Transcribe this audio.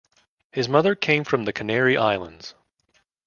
His mother came from the Canary Islands.